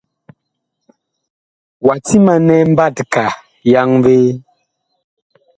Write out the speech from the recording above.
Wa timanɛ mbatka yaŋvee?